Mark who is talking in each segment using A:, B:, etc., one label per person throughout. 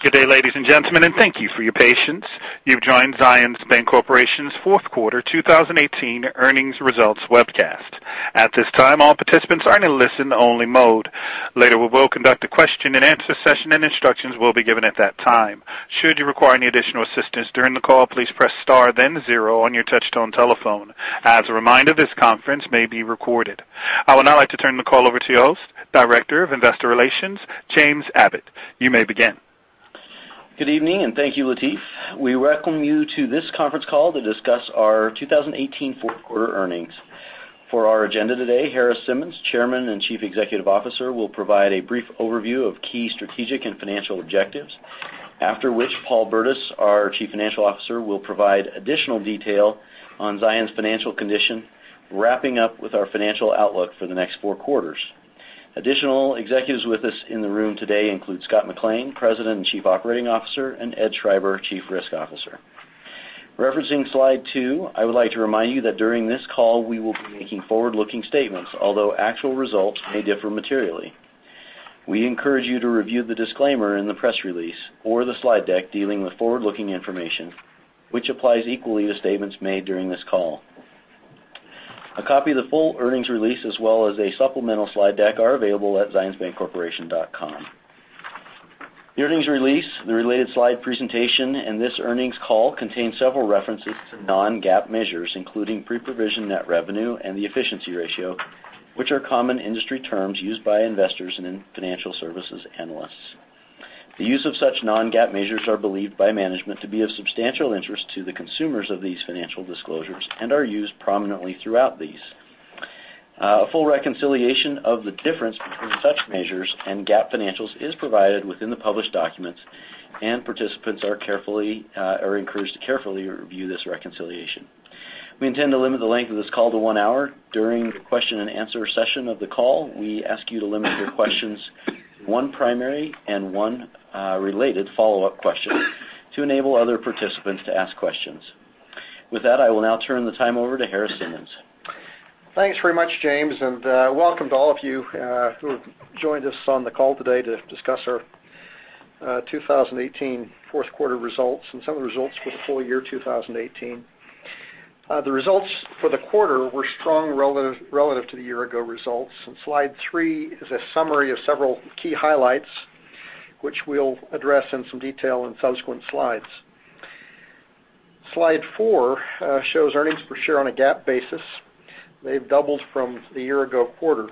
A: Good day, ladies and gentlemen, thank you for your patience. You've joined Zions Bancorporation's fourth quarter 2018 earnings results webcast. At this time, all participants are in a listen only mode. Later, we will conduct a question and answer session, and instructions will be given at that time. Should you require any additional assistance during the call, please press star then zero on your touchtone telephone. As a reminder, this conference may be recorded. I would now like to turn the call over to your host, Director of Investor Relations, James Abbott. You may begin.
B: Good evening, thank you, Lateef. We welcome you to this conference call to discuss our 2018 fourth quarter earnings. For our agenda today, Harris Simmons, Chairman and Chief Executive Officer, will provide a brief overview of key strategic and financial objectives. After which, Paul Burdiss, our Chief Financial Officer, will provide additional detail on Zions' financial condition, wrapping up with our financial outlook for the next four quarters. Additional executives with us in the room today include Scott McLean, President and Chief Operating Officer, and Ed Schreiber, Chief Risk Officer. Referencing slide two, I would like to remind you that during this call, we will be making forward-looking statements, although actual results may differ materially. We encourage you to review the disclaimer in the press release or the slide deck dealing with forward-looking information, which applies equally to statements made during this call. A copy of the full earnings release as well as a supplemental slide deck are available at zionsbancorporation.com. The earnings release, the related slide presentation, and this earnings call contain several references to non-GAAP measures, including pre-provision net revenue and the efficiency ratio, which are common industry terms used by investors and financial services analysts. The use of such non-GAAP measures are believed by management to be of substantial interest to the consumers of these financial disclosures and are used prominently throughout these. A full reconciliation of the difference between such measures and GAAP financials is provided within the published documents, participants are encouraged to carefully review this reconciliation. We intend to limit the length of this call to one hour. During the question and answer session of the call, we ask you to limit your questions to one primary and one related follow-up question to enable other participants to ask questions. With that, I will now turn the time over to Harris Simmons.
C: Thanks very much, James, and welcome to all of you who have joined us on the call today to discuss our 2018 fourth quarter results and some of the results for the full year 2018. The results for the quarter were strong relative to the year ago results. Slide three is a summary of several key highlights, which we'll address in some detail in subsequent slides. Slide four shows earnings per share on a GAAP basis. They've doubled from the year ago quarter.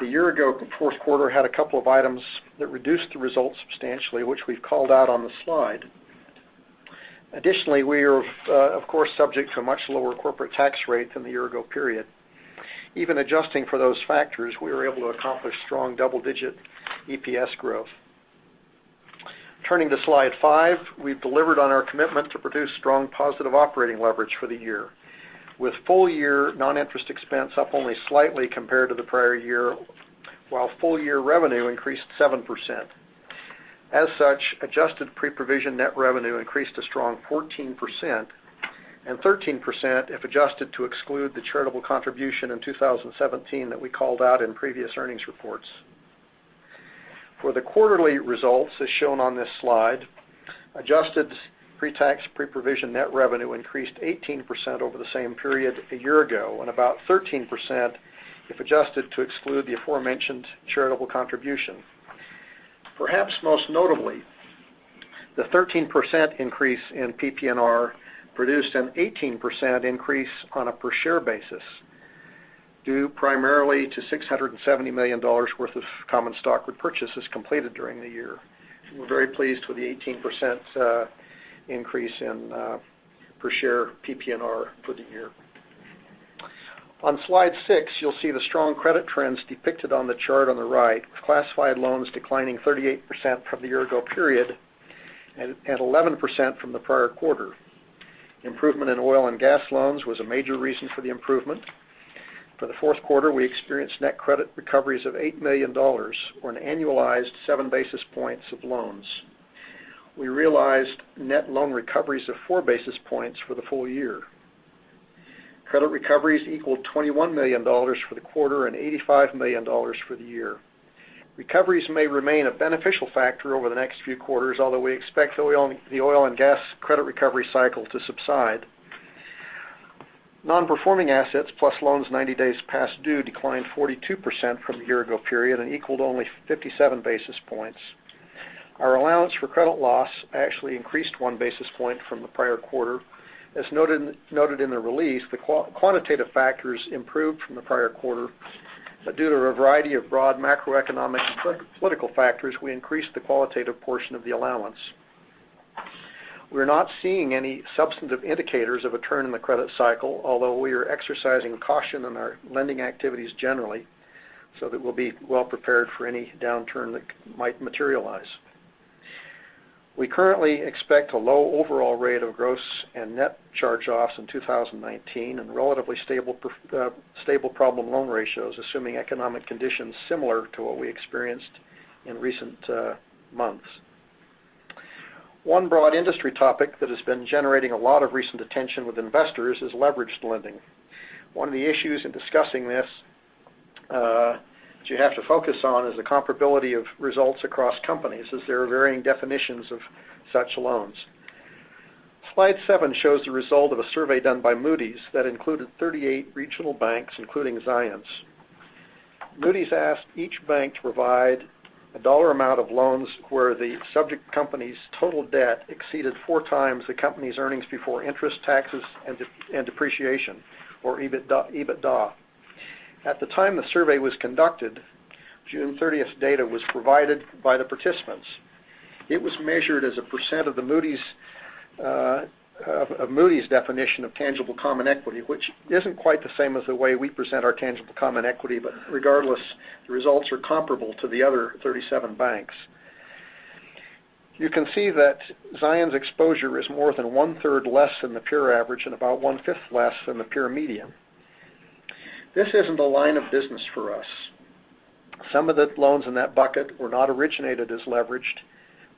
C: The year ago fourth quarter had a couple of items that reduced the results substantially, which we've called out on the slide. Additionally, we are of course, subject to a much lower corporate tax rate than the year ago period. Even adjusting for those factors, we were able to accomplish strong double-digit EPS growth. Turning to slide five, we've delivered on our commitment to produce strong positive operating leverage for the year. With full year non-interest expense up only slightly compared to the prior year, while full year revenue increased 7%. As such, adjusted pre-provision net revenue increased a strong 14% and 13% if adjusted to exclude the charitable contribution in 2017 that we called out in previous earnings reports. For the quarterly results, as shown on this slide, adjusted pre-tax, pre-provision net revenue increased 18% over the same period a year ago, and about 13% if adjusted to exclude the aforementioned charitable contribution. Perhaps most notably, the 13% increase in PPNR produced an 18% increase on a per share basis, due primarily to $670 million worth of common stock repurchases completed during the year. We're very pleased with the 18% increase in per share PPNR for the year. On slide six, you'll see the strong credit trends depicted on the chart on the right, with classified loans declining 38% from the year ago period and 11% from the prior quarter. Improvement in oil and gas loans was a major reason for the improvement. For the fourth quarter, we experienced net credit recoveries of $8 million or an annualized seven basis points of loans. We realized net loan recoveries of four basis points for the full year. Credit recoveries equaled $21 million for the quarter and $85 million for the year. Recoveries may remain a beneficial factor over the next few quarters, although we expect the oil and gas credit recovery cycle to subside. Non-performing assets plus loans 90 days past due declined 42% from the year ago period and equaled only 57 basis points. Our allowance for credit loss actually increased one basis point from the prior quarter. As noted in the release, the quantitative factors improved from the prior quarter. Due to a variety of broad macroeconomic and political factors, we increased the qualitative portion of the allowance. We're not seeing any substantive indicators of a turn in the credit cycle, although we are exercising caution in our lending activities generally, so that we'll be well prepared for any downturn that might materialize. We currently expect a low overall rate of gross and net charge-offs in 2019 and relatively stable problem loan ratios, assuming economic conditions similar to what we experienced in recent months. One broad industry topic that has been generating a lot of recent attention with investors is leveraged lending. One of the issues in discussing this that you have to focus on is the comparability of results across companies, as there are varying definitions of such loans. Slide seven shows the result of a survey done by Moody's that included 38 regional banks, including Zions. Moody's asked each bank to provide a dollar amount of loans where the subject company's total debt exceeded four times the company's earnings before interest, taxes, and depreciation, or EBITDA. At the time the survey was conducted, June 30th data was provided by the participants. It was measured as a percent of Moody's definition of tangible common equity, which isn't quite the same as the way we present our tangible common equity. Regardless, the results are comparable to the other 37 banks. You can see that Zions exposure is more than one-third less than the peer average and about one-fifth less than the peer median. This isn't a line of business for us. Some of the loans in that bucket were not originated as leveraged,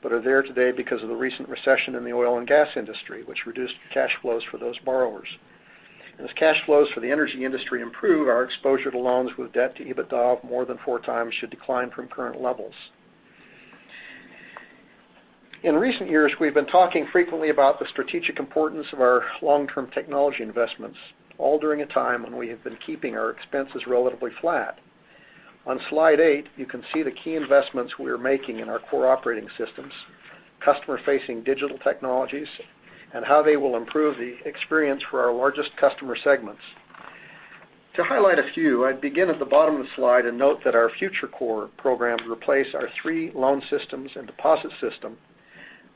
C: but are there today because of the recent recession in the oil and gas industry, which reduced cash flows for those borrowers. As cash flows for the energy industry improve, our exposure to loans with debt to EBITDA of more than four times should decline from current levels. In recent years, we've been talking frequently about the strategic importance of our long-term technology investments, all during a time when we have been keeping our expenses relatively flat. On slide eight, you can see the key investments we are making in our core operating systems, customer-facing digital technologies, and how they will improve the experience for our largest customer segments. To highlight a few, I'd begin at the bottom of the slide and note that our future core programs replace our three loan systems and deposit system,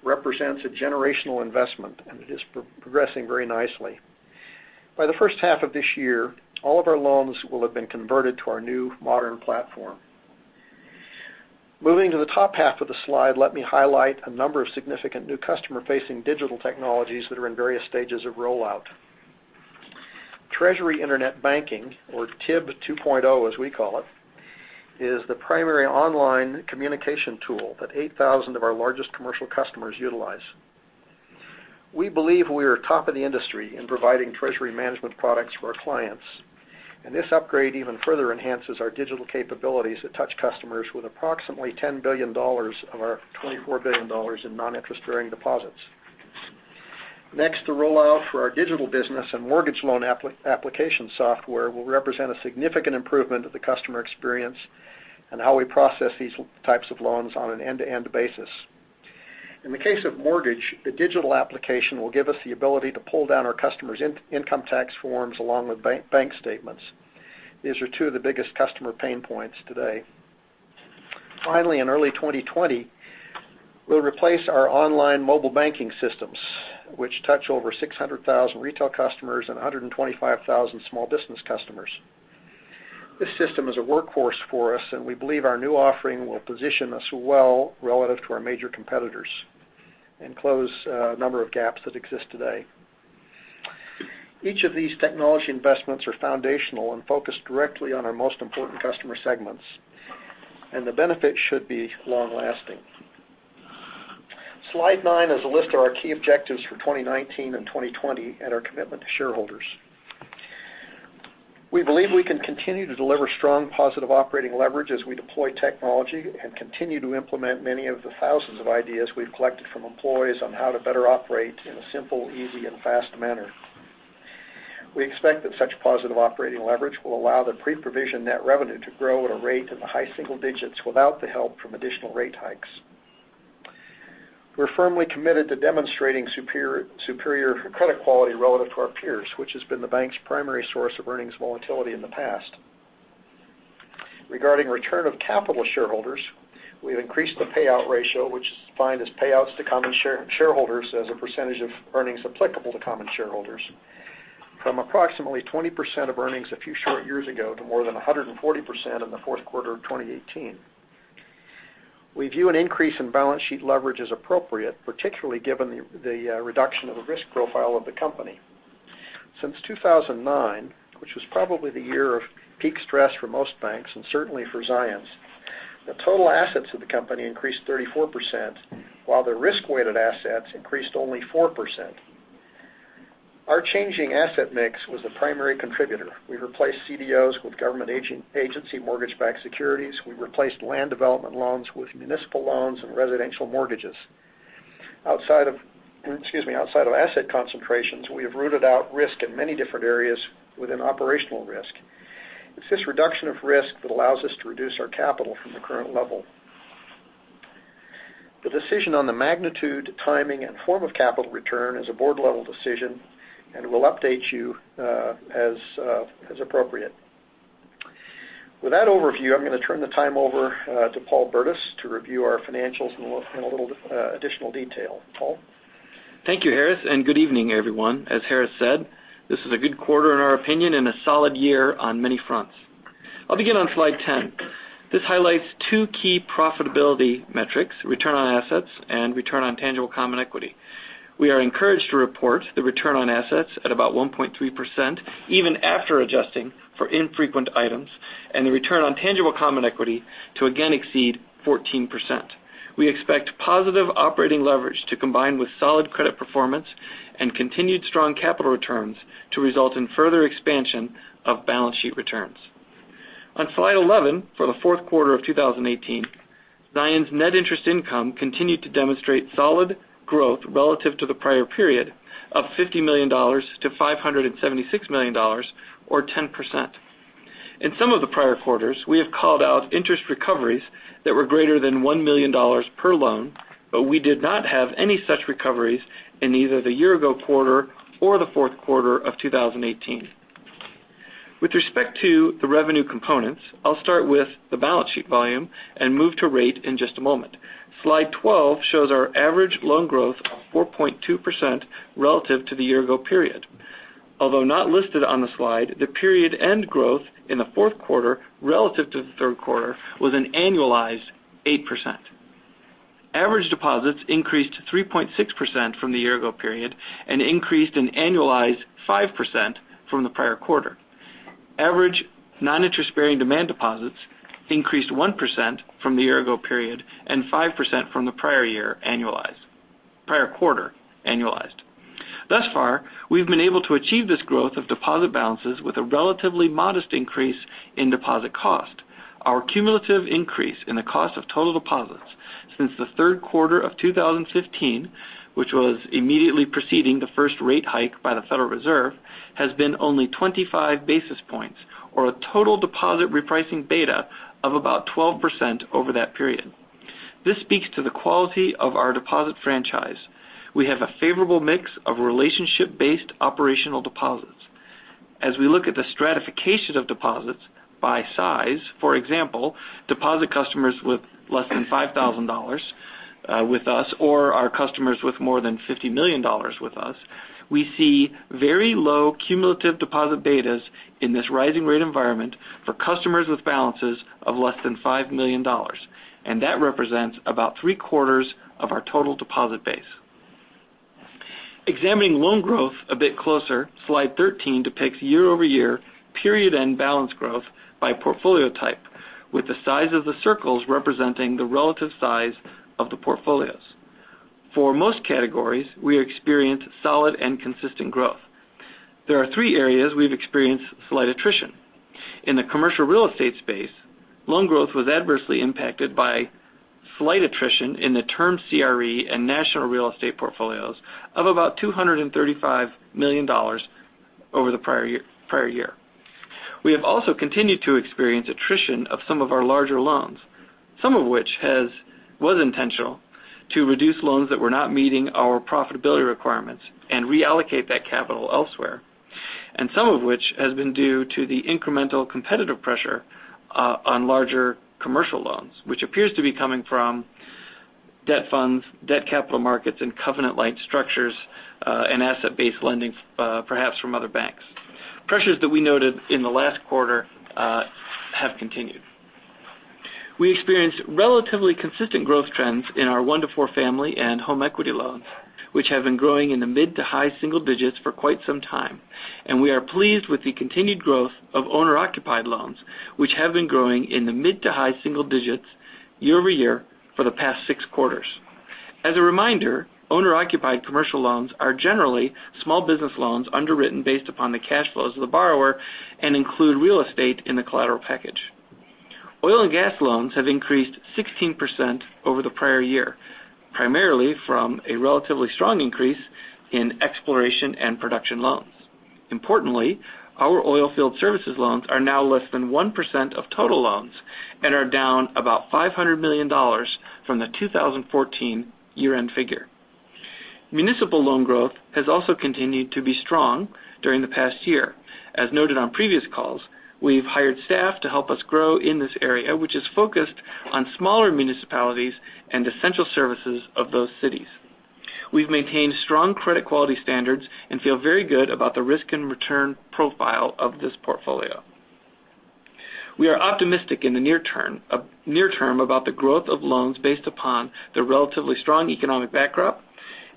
C: represents a generational investment, and it is progressing very nicely. By the first half of this year, all of our loans will have been converted to our new modern platform. Moving to the top half of the slide, let me highlight a number of significant new customer-facing digital technologies that are in various stages of rollout. Treasury Internet Banking, or TIB 2.0, as we call it, is the primary online communication tool that 8,000 of our largest commercial customers utilize. We believe we are top of the industry in providing treasury management products for our clients, and this upgrade even further enhances our digital capabilities that touch customers with approximately $10 billion of our $24 billion in non-interest-bearing deposits. Next, the rollout for our digital business and mortgage loan application software will represent a significant improvement to the customer experience and how we process these types of loans on an end-to-end basis. In the case of mortgage, the digital application will give us the ability to pull down our customers' income tax forms along with bank statements. These are two of the biggest customer pain points today. Finally, in early 2020, we'll replace our online mobile banking systems, which touch over 600,000 retail customers and 125,000 small business customers. This system is a workhorse for us, and we believe our new offering will position us well relative to our major competitors and close a number of gaps that exist today. Each of these technology investments are foundational and focused directly on our most important customer segments, and the benefit should be long-lasting. Slide nine is a list of our key objectives for 2019 and 2020 and our commitment to shareholders. We believe we can continue to deliver strong positive operating leverage as we deploy technology and continue to implement many of the thousands of ideas we've collected from employees on how to better operate in a simple, easy, and fast manner. We expect that such positive operating leverage will allow the pre-provision net revenue to grow at a rate in the high single digits without the help from additional rate hikes. We're firmly committed to demonstrating superior credit quality relative to our peers, which has been the bank's primary source of earnings volatility in the past. Regarding return of capital to shareholders, we have increased the payout ratio, which is defined as payouts to common shareholders as a percentage of earnings applicable to common shareholders, from approximately 20% of earnings a few short years ago to more than 140% in the fourth quarter of 2018. We view an increase in balance sheet leverage as appropriate, particularly given the reduction of the risk profile of the company. Since 2009, which was probably the year of peak stress for most banks and certainly for Zions, the total assets of the company increased 34%, while the risk-weighted assets increased only 4%. Our changing asset mix was the primary contributor. We replaced CDOs with government agency mortgage-backed securities. We replaced land development loans with municipal loans and residential mortgages. Outside of asset concentrations, we have rooted out risk in many different areas within operational risk. It's this reduction of risk that allows us to reduce our capital from the current level. The decision on the magnitude, timing, and form of capital return is a board-level decision, and we'll update you as appropriate. With that overview, I'm going to turn the time over to Paul Burdiss to review our financials in a little additional detail. Paul?
D: Thank you, Harris, and good evening, everyone. As Harris said, this is a good quarter in our opinion and a solid year on many fronts. I'll begin on slide 10. This highlights two key profitability metrics, return on assets and return on tangible common equity. We are encouraged to report the return on assets at about 1.3%, even after adjusting for infrequent items, and the return on tangible common equity to again exceed 14%. We expect positive operating leverage to combine with solid credit performance and continued strong capital returns to result in further expansion of balance sheet returns. On slide 11, for the fourth quarter of 2018, Zions' net interest income continued to demonstrate solid growth relative to the prior period of $50 million to $576 million, or 10%. In some of the prior quarters, we have called out interest recoveries that were greater than $1 million per loan, but we did not have any such recoveries in either the year-ago quarter or the fourth quarter of 2018. With respect to the revenue components, I'll start with the balance sheet volume and move to rate in just a moment. Slide 12 shows our average loan growth of 4.2% relative to the year-ago period. Although not listed on the slide, the period end growth in the fourth quarter relative to the third quarter was an annualized 8%. Average deposits increased 3.6% from the year-ago period and increased an annualized 5% from the prior quarter. Average non-interest-bearing demand deposits increased 1% from the year-ago period, and 5% from the prior quarter, annualized. Thus far, we've been able to achieve this growth of deposit balances with a relatively modest increase in deposit cost. Our cumulative increase in the cost of total deposits since the third quarter of 2015, which was immediately preceding the first rate hike by the Federal Reserve, has been only 25 basis points, or a total deposit repricing beta of about 12% over that period. This speaks to the quality of our deposit franchise. We have a favorable mix of relationship-based operational deposits. As we look at the stratification of deposits by size, for example, deposit customers with less than $5,000 with us, or our customers with more than $50 million with us, we see very low cumulative deposit betas in this rising rate environment for customers with balances of less than $5 million, and that represents about three-quarters of our total deposit base. Examining loan growth a bit closer, slide 13 depicts year-over-year period end balance growth by portfolio type, with the size of the circles representing the relative size of the portfolios. For most categories, we experience solid and consistent growth. There are three areas we've experienced slight attrition. In the commercial real estate space, loan growth was adversely impacted by slight attrition in the term CRE and national real estate portfolios of about $235 million over the prior year. We have also continued to experience attrition of some of our larger loans, some of which was intentional, to reduce loans that were not meeting our profitability requirements and reallocate that capital elsewhere, and some of which has been due to the incremental competitive pressure on larger commercial loans, which appears to be coming from debt funds, debt capital markets, and covenant-light structures and asset-based lending, perhaps from other banks. Pressures that we noted in the last quarter have continued. We experienced relatively consistent growth trends in our one to four family and home equity loans, which have been growing in the mid to high single digits for quite some time, and we are pleased with the continued growth of owner-occupied loans, which have been growing in the mid to high single digits year-over-year for the past six quarters. As a reminder, owner-occupied commercial loans are generally small business loans underwritten based upon the cash flows of the borrower and include real estate in the collateral package. Oil and gas loans have increased 16% over the prior year, primarily from a relatively strong increase in exploration and production loans. Importantly, our oilfield services loans are now less than 1% of total loans and are down about $500 million from the 2014 year-end figure. Municipal loan growth has also continued to be strong during the past year. As noted on previous calls, we've hired staff to help us grow in this area, which is focused on smaller municipalities and essential services of those cities. We've maintained strong credit quality standards and feel very good about the risk and return profile of this portfolio. We are optimistic in the near term about the growth of loans based upon the relatively strong economic backdrop,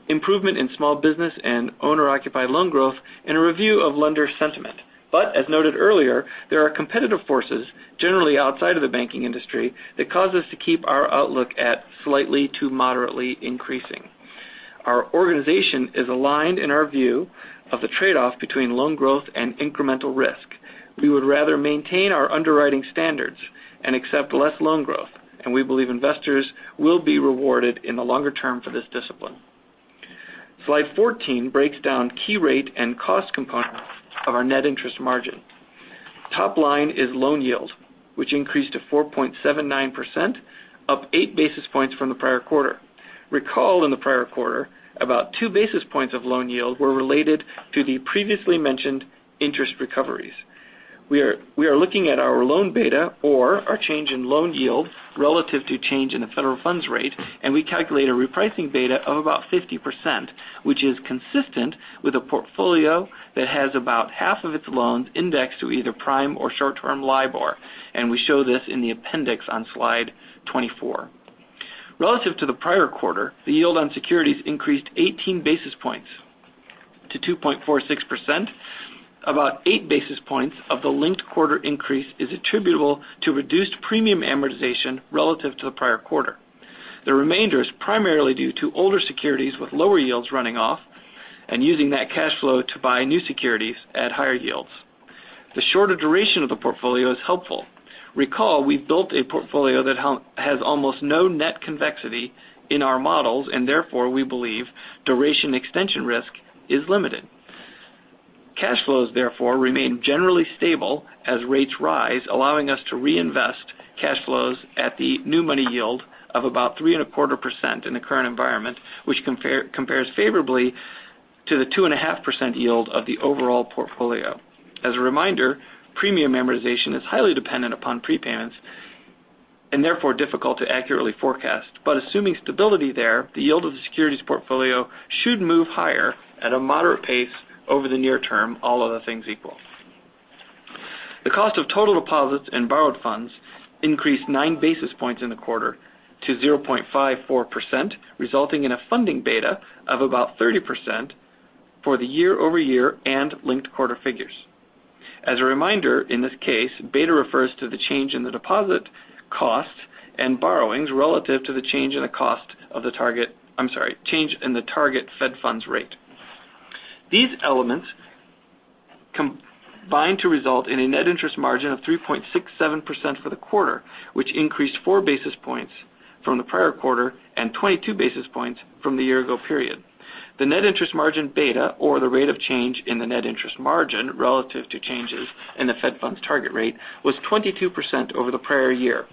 D: improvement in small business and owner-occupied loan growth, and a review of lender sentiment. As noted earlier, there are competitive forces, generally outside of the banking industry, that cause us to keep our outlook at slightly to moderately increasing. Our organization is aligned in our view of the trade-off between loan growth and incremental risk. We would rather maintain our underwriting standards and accept less loan growth. We believe investors will be rewarded in the longer term for this discipline. Slide 14 breaks down key rate and cost components of our net interest margin. Top line is loan yield, which increased to 4.79%, up eight basis points from the prior quarter. Recall in the prior quarter, about two basis points of loan yield were related to the previously mentioned interest recoveries. We are looking at our loan beta or our change in loan yield relative to change in the Federal funds rate, and we calculate a repricing beta of about 50%, which is consistent with a portfolio that has about half of its loans indexed to either prime or short-term LIBOR, and we show this in the appendix on slide 24. Relative to the prior quarter, the yield on securities increased 18 basis points to 2.46%. About eight basis points of the linked quarter increase is attributable to reduced premium amortization relative to the prior quarter. The remainder is primarily due to older securities with lower yields running off and using that cash flow to buy new securities at higher yields. The shorter duration of the portfolio is helpful. Recall, we've built a portfolio that has almost no net convexity in our models. Therefore, we believe duration extension risk is limited. Cash flows, therefore, remain generally stable as rates rise, allowing us to reinvest cash flows at the new money yield of about 3.25% in the current environment, which compares favorably to the 2.5% yield of the overall portfolio. As a reminder, premium amortization is highly dependent upon prepayments and therefore difficult to accurately forecast. Assuming stability there, the yield of the securities portfolio should move higher at a moderate pace over the near term, all other things equal. The cost of total deposits and borrowed funds increased nine basis points in the quarter to 0.54%, resulting in a funding beta of about 30% for the year-over-year and linked quarter figures. As a reminder, in this case, beta refers to the change in the deposit cost and borrowings relative to the change in the target Fed funds rate. These elements combine to result in a net interest margin of 3.67% for the quarter, which increased four basis points from the prior quarter and 22 basis points from the year ago period. The net interest margin beta, or the rate of change in the net interest margin relative to changes in the Fed funds target rate, was 22% over the prior year.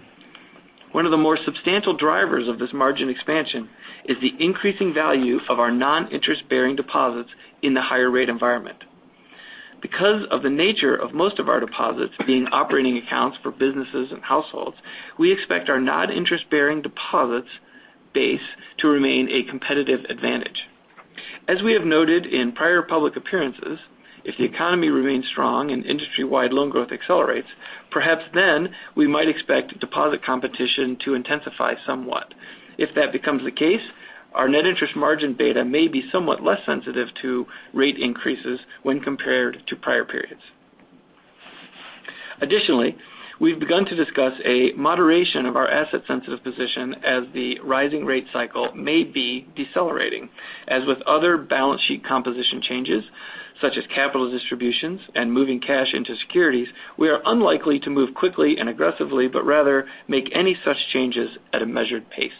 D: One of the more substantial drivers of this margin expansion is the increasing value of our non-interest-bearing deposits in the higher rate environment. Because of the nature of most of our deposits being operating accounts for businesses and households, we expect our non-interest-bearing deposits base to remain a competitive advantage. As we have noted in prior public appearances, if the economy remains strong and industry-wide loan growth accelerates, perhaps then we might expect deposit competition to intensify somewhat. If that becomes the case, our net interest margin beta may be somewhat less sensitive to rate increases when compared to prior periods. Additionally, we've begun to discuss a moderation of our asset sensitive position as the rising rate cycle may be decelerating. As with other balance sheet composition changes, such as capital distributions and moving cash into securities, we are unlikely to move quickly and aggressively, but rather make any such changes at a measured pace.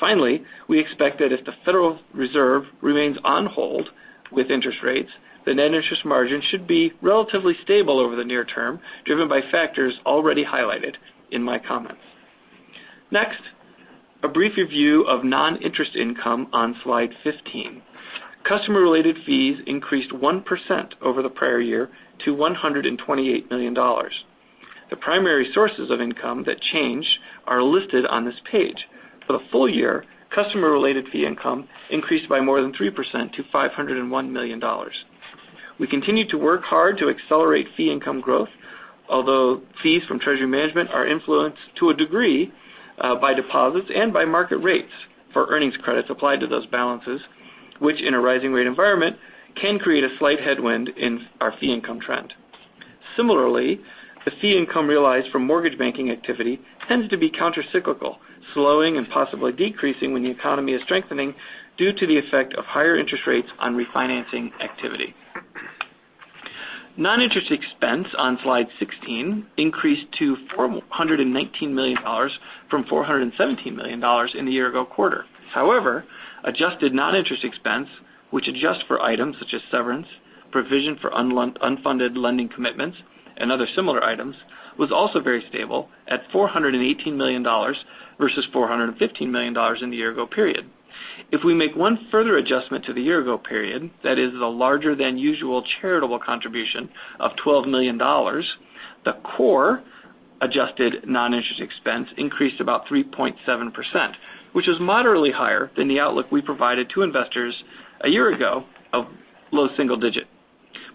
D: Finally, we expect that if the Federal Reserve remains on hold with interest rates, the net interest margin should be relatively stable over the near term, driven by factors already highlighted in my comments. Next, a brief review of non-interest income on slide 15. Customer-related fees increased 1% over the prior year to $128 million. The primary sources of income that changed are listed on this page. For the full year, customer-related fee income increased by more than 3% to $501 million. We continue to work hard to accelerate fee income growth, although fees from treasury management are influenced to a degree by deposits and by market rates for earnings credits applied to those balances, which in a rising rate environment can create a slight headwind in our fee income trend. Similarly, the fee income realized from mortgage banking activity tends to be countercyclical, slowing and possibly decreasing when the economy is strengthening due to the effect of higher interest rates on refinancing activity. Non-interest expense on slide 16 increased to $419 million from $417 million in the year ago quarter. Adjusted non-interest expense, which adjusts for items such as severance, provision for unfunded lending commitments, and other similar items, was also very stable at $418 million versus $415 million in the year ago period. If we make one further adjustment to the year ago period, that is the larger than usual charitable contribution of $12 million, the core adjusted non-interest expense increased about 3.7%, which is moderately higher than the outlook we provided to investors a year ago of low single digit.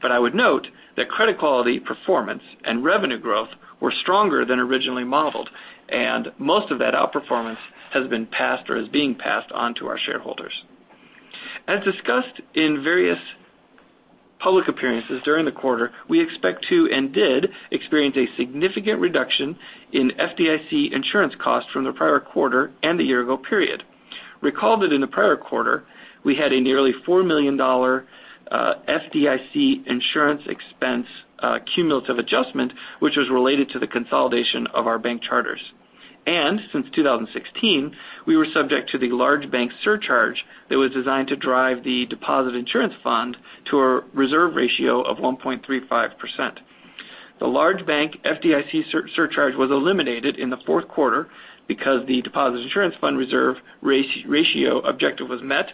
D: I would note that credit quality performance and revenue growth were stronger than originally modeled, and most of that outperformance has been passed or is being passed on to our shareholders. As discussed in various public appearances during the quarter, we expect to and did experience a significant reduction in FDIC insurance costs from the prior quarter and the year ago period. Recall that in the prior quarter, we had a nearly $4 million FDIC insurance expense cumulative adjustment, which was related to the consolidation of our bank charters. Since 2016, we were subject to the large bank surcharge that was designed to drive the Deposit Insurance Fund to a reserve ratio of 1.35%. The large bank FDIC surcharge was eliminated in the fourth quarter because the Deposit Insurance Fund reserve ratio objective was met,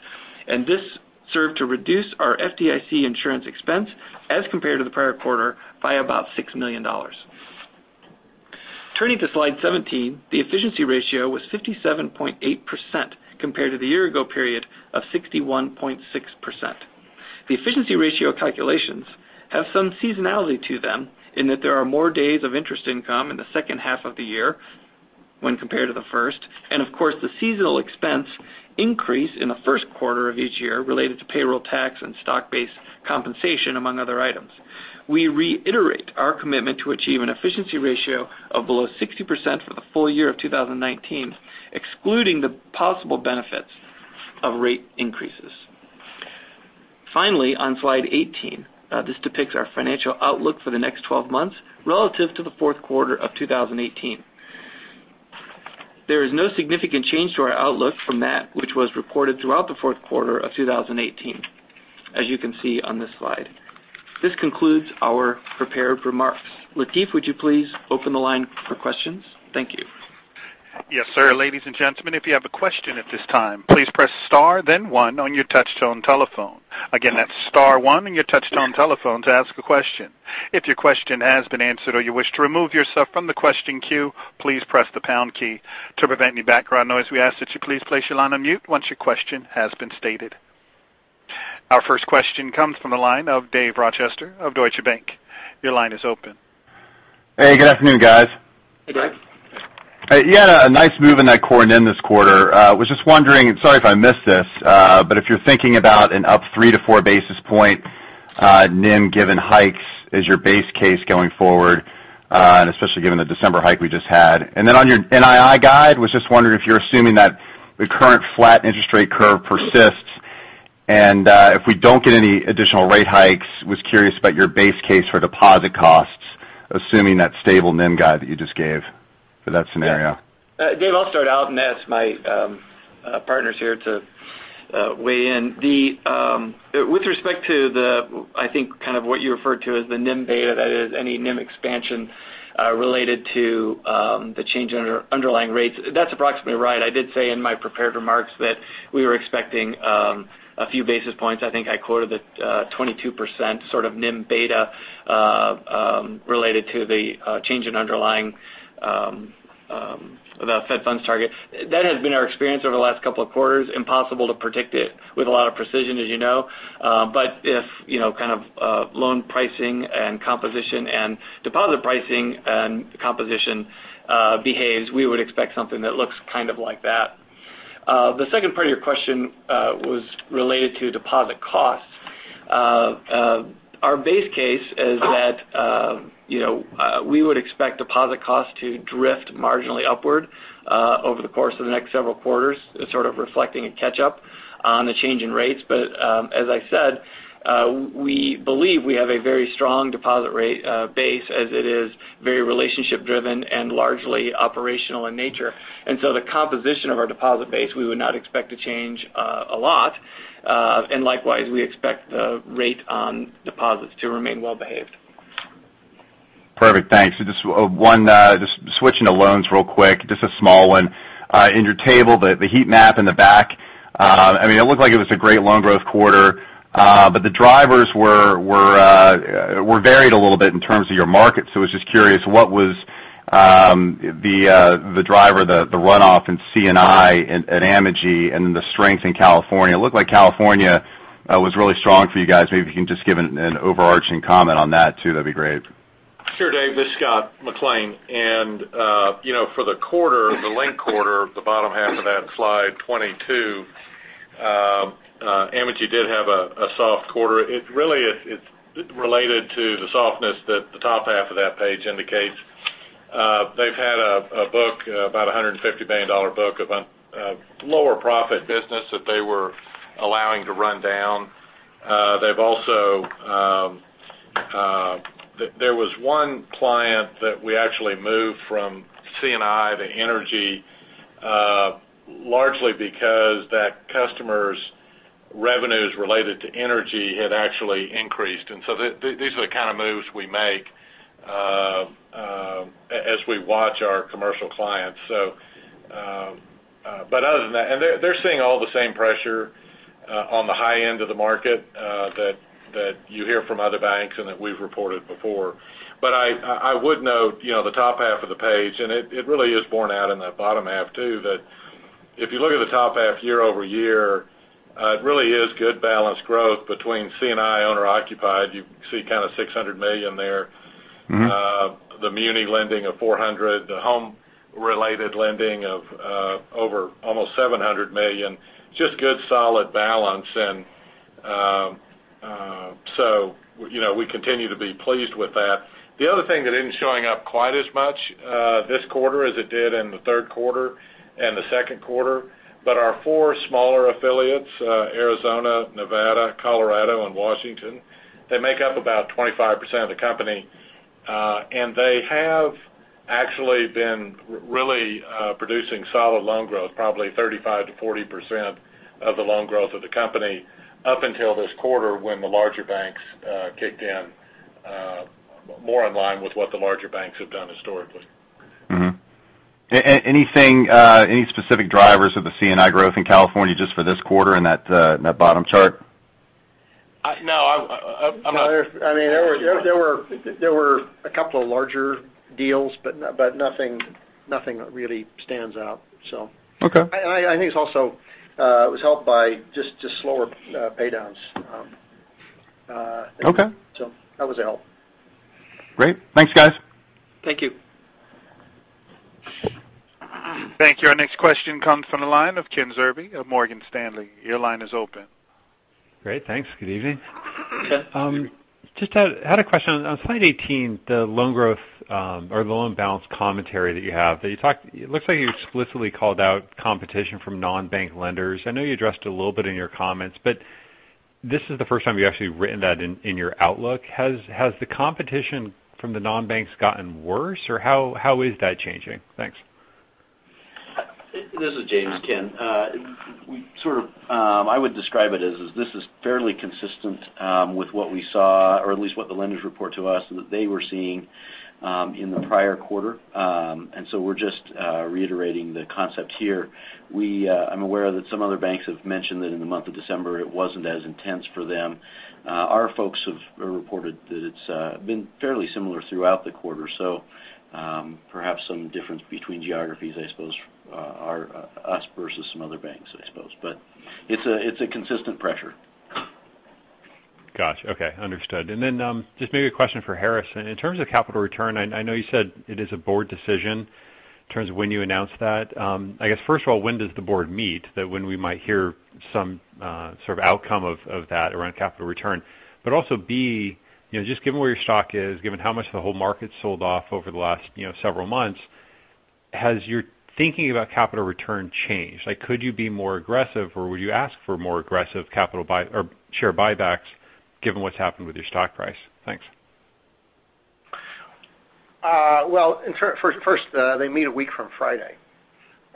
D: this served to reduce our FDIC insurance expense as compared to the prior quarter by about $6 million. Turning to slide 17, the efficiency ratio was 57.8% compared to the year ago period of 61.6%. The efficiency ratio calculations have some seasonality to them in that there are more days of interest income in the second half of the year. when compared to the first. Of course, the seasonal expense increase in the first quarter of each year related to payroll tax and stock-based compensation, among other items. We reiterate our commitment to achieve an efficiency ratio of below 60% for the full year of 2019, excluding the possible benefits of rate increases. Finally, on slide 18, this depicts our financial outlook for the next 12 months relative to the fourth quarter of 2018. There is no significant change to our outlook from that which was reported throughout the fourth quarter of 2018, as you can see on this slide. This concludes our prepared remarks. Lateef, would you please open the line for questions? Thank you.
A: Yes, sir. Ladies and gentlemen, if you have a question at this time, please press star then one on your touch-tone telephone. Again, that's star one on your touch-tone telephone to ask a question. If your question has been answered or you wish to remove yourself from the question queue, please press the pound key. To prevent any background noise, we ask that you please place your line on mute once your question has been stated. Our first question comes from the line of David Rochester of Deutsche Bank. Your line is open.
E: Hey, good afternoon, guys.
D: Hey, Dave.
E: You had a nice move in that core NIM this quarter. Was just wondering, sorry if I missed this, but if you're thinking about an up three to four basis point NIM given hikes as your base case going forward, and especially given the December hike we just had. Then on your NII guide, was just wondering if you're assuming that the current flat interest rate curve persists, and if we don't get any additional rate hikes, was curious about your base case for deposit costs, assuming that stable NIM guide that you just gave for that scenario.
D: Dave, I'll start out and ask my partners here to weigh in. With respect to the, I think kind of what you referred to as the NIM beta, that is any NIM expansion related to the change in underlying rates, that's approximately right. I did say in my prepared remarks that we were expecting a few basis points. I think I quoted that 22% sort of NIM beta related to the change in underlying the Fed funds target. That has been our experience over the last couple of quarters. Impossible to predict it with a lot of precision, as you know. If loan pricing and composition and deposit pricing and composition behaves, we would expect something that looks kind of like that. The second part of your question was related to deposit costs. Our base case is that we would expect deposit costs to drift marginally upward over the course of the next several quarters, sort of reflecting a catch-up on the change in rates. As I said, we believe we have a very strong deposit rate base as it is very relationship driven and largely operational in nature. So the composition of our deposit base, we would not expect to change a lot. Likewise, we expect the rate on deposits to remain well-behaved.
E: Perfect. Thanks. Just one, just switching to loans real quick. Just a small one. In your table, the heat map in the back it looked like it was a great loan growth quarter. The drivers were varied a little bit in terms of your markets. Was just curious, what was the driver, the runoff in C&I at Amegy and the strength in California? It looked like California was really strong for you guys. Maybe if you can just give an overarching comment on that too, that would be great.
F: Sure, Dave. This is Scott McLean. For the quarter, the linked quarter, the bottom half of that slide 22, Amegy did have a soft quarter. It really is related to the softness that the top half of that page indicates. They have had a book, about $150 million book of lower profit business that they were allowing to run down. There was one client that we actually moved from C&I to energy largely because that customer's revenues related to energy had actually increased. These are the kind of moves we make as we watch our commercial clients. Other than that, they are seeing all the same pressure on the high end of the market that you hear from other banks and that we have reported before. I would note the top half of the page, and it really is borne out in that bottom half too, that if you look at the top half year-over-year, it really is good balanced growth between C&I owner-occupied. You see kind of $600 million there. The muni lending of $400 million, the home related lending of over almost $700 million. Just good solid balance, we continue to be pleased with that. The other thing that isn't showing up quite as much this quarter as it did in the third quarter and the second quarter, our four smaller affiliates Arizona, Nevada, Colorado, and Washington, they make up about 25% of the company. They have actually been really producing solid loan growth, probably 35%-40% of the loan growth of the company up until this quarter when the larger banks kicked in more in line with what the larger banks have done historically.
E: Any specific drivers of the C&I growth in California just for this quarter in that bottom chart?
F: No.
D: There were a couple of larger deals, but nothing that really stands out.
E: Okay.
D: I think it also was helped by just slower paydowns
C: Okay. That was it all.
E: Great. Thanks, guys.
C: Thank you.
A: Thank you. Our next question comes from the line of Kenneth Zerbe of Morgan Stanley. Your line is open.
G: Great. Thanks. Good evening.
C: Ken.
G: Just had a question. On slide 18, the loan growth or loan balance commentary that you have. It looks like you explicitly called out competition from non-bank lenders. I know you addressed a little bit in your comments, but this is the first time you've actually written that in your outlook. Has the competition from the non-banks gotten worse or how is that changing? Thanks.
B: This is James, Ken. I would describe it as this is fairly consistent with what we saw or at least what the lenders report to us that they were seeing in the prior quarter. We're just reiterating the concept here. I'm aware that some other banks have mentioned that in the month of December, it wasn't as intense for them. Our folks have reported that it's been fairly similar throughout the quarter. Perhaps some difference between geographies, I suppose, us versus some other banks, I suppose. It's a consistent pressure.
G: Got you. Okay. Understood. Just maybe a question for Harris. In terms of capital return, I know you said it is a board decision in terms of when you announce that. I guess, first of all, when does the board meet that when we might hear some sort of outcome of that around capital return? Also, B, just given where your stock is, given how much the whole market sold off over the last several months, has your thinking about capital return changed? Could you be more aggressive or would you ask for more aggressive share buybacks given what's happened with your stock price? Thanks.
C: Well, first, they meet a week from Friday.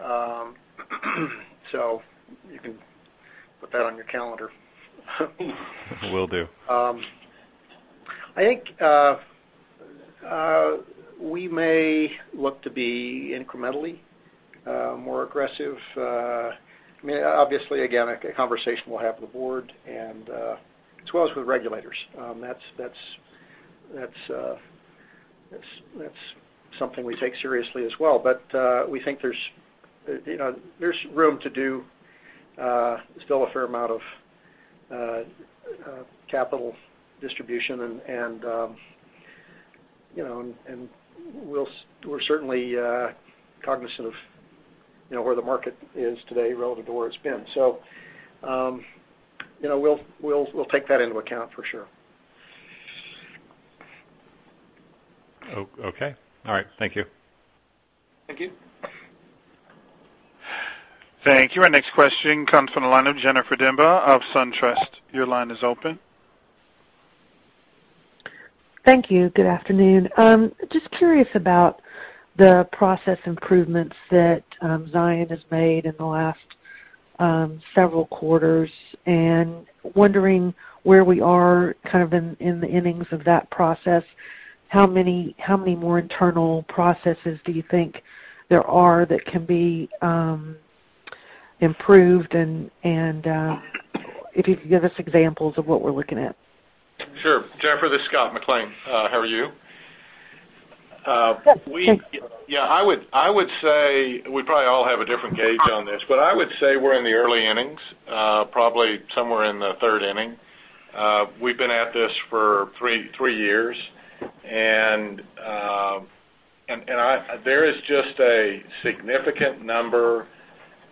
C: You can put that on your calendar.
G: Will do.
C: I think we may look to be incrementally more aggressive. Obviously, again, a conversation we'll have with the board and as well as with regulators. That's something we take seriously as well. We think there's room to do still a fair amount of capital distribution, and we're certainly cognizant of where the market is today relative to where it's been. We'll take that into account for sure.
G: Okay. All right. Thank you.
C: Thank you.
A: Thank you. Our next question comes from the line of Jennifer Demba of SunTrust. Your line is open.
H: Thank you. Good afternoon. Just curious about the process improvements that Zions has made in the last several quarters, and wondering where we are kind of in the innings of that process. How many more internal processes do you think there are that can be improved, and if you could give us examples of what we're looking at.
F: Sure. Jennifer, this is Scott McLean. How are you?
H: Good, thanks.
F: Yeah, we probably all have a different gauge on this. I would say we're in the early innings. Probably somewhere in the third inning. We've been at this for three years. There is just a significant number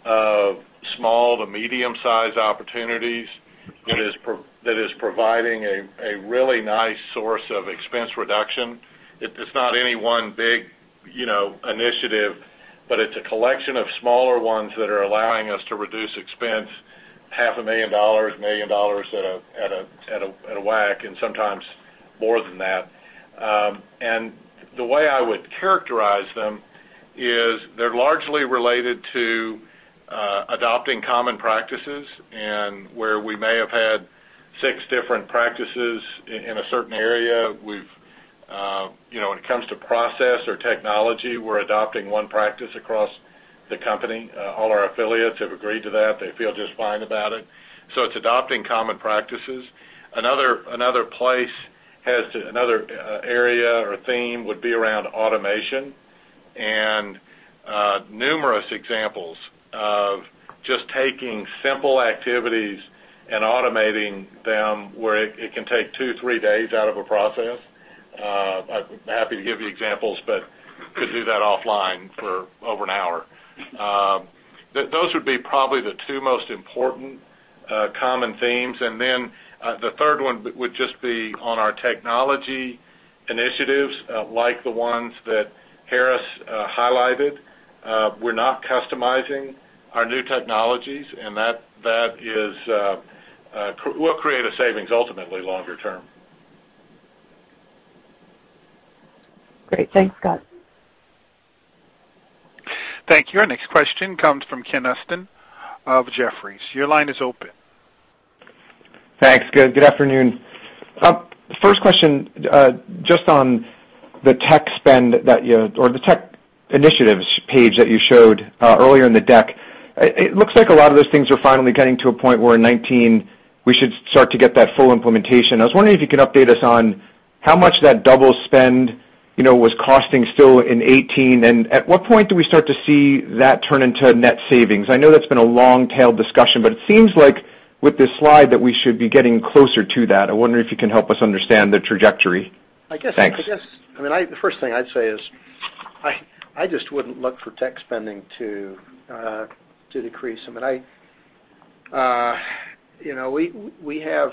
F: of small to medium-sized opportunities that is providing a really nice source of expense reduction. It's not any one big initiative, but it's a collection of smaller ones that are allowing us to reduce expense half a million dollars, $1 million at a whack, and sometimes more than that. The way I would characterize them is they're largely related to adopting common practices and where we may have had six different practices in a certain area. When it comes to process or technology, we're adopting one practice across the company. All our affiliates have agreed to that. They feel just fine about it. It's adopting common practices. Another area or theme would be around automation and numerous examples of just taking simple activities and automating them where it can take two, three days out of a process. I'm happy to give you examples. Could do that offline for over an hour. Those would be probably the two most important common themes. The third one would just be on our technology initiatives, like the ones that Harris highlighted. We're not customizing our new technologies. That will create a savings ultimately longer term.
H: Great. Thanks, Scott.
A: Thank you. Our next question comes from Ken Usdin of Jefferies. Your line is open.
I: Thanks. Good afternoon. First question, just on the tech initiatives page that you showed earlier in the deck. It looks like a lot of those things are finally getting to a point where in 2019, we should start to get that full implementation. I was wondering if you can update us on how much that double spend was costing still in 2018, and at what point do we start to see that turn into net savings? I know that's been a long-tail discussion, but it seems like with this slide that we should be getting closer to that. I wonder if you can help us understand the trajectory. Thanks.
C: The first thing I'd say is I just wouldn't look for tech spending to decrease. We're